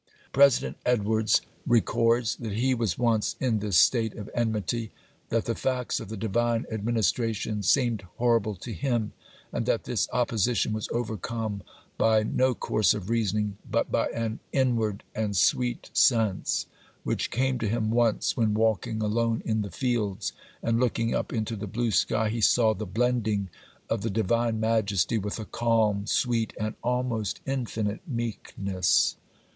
President Edwards records that he was once in this state of enmity, that the facts of the Divine administration seemed horrible to him, and that this opposition was overcome by no course of reasoning, but by an 'inward and sweet sense' which came to him once when walking alone in the fields, and, looking up into the blue sky, he saw the blending of the Divine majesty with a calm, sweet, and almost infinite meekness.